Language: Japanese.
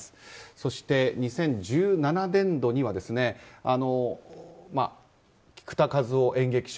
そして、２０１７年度には菊田一夫演劇賞。